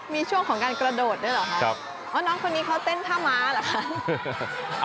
มีช่วงของการกระโดดด้วยเหรอครับอ๋อน้องคนนี้เขาเต้นท่าม้าเหรอคะ